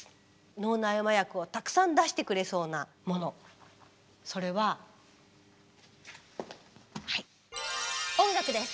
脳内麻薬をたくさん出してくれそうなものそれは音楽です！